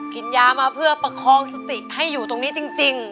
กินยามาเพื่อประคองสติให้อยู่ตรงนี้จริง